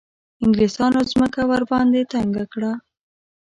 انګلیسیانو مځکه ورباندې تنګه کړه.